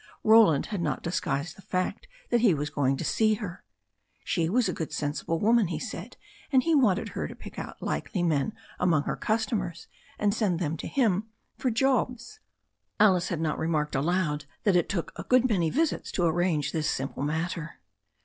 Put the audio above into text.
Roland had not disguised the fact that he was going to see her. She was a good sensible woman, he said, and he wanted her to pick out likely men among her customers, and send them to him for jobs. Alice had not remarked aloud that it took a good many visits to arrange this simple matter.